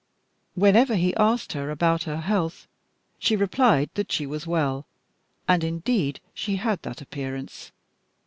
Whenever he asked her about her health, she replied that she was well; and, indeed, she had that appearance.